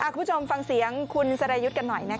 คุณผู้ชมฟังเสียงคุณสรายุทธ์กันหน่อยนะคะ